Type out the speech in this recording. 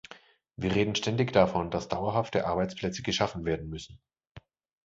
Wir reden ständig davon, dass dauerhafte Arbeitsplätze geschaffen werden müssen.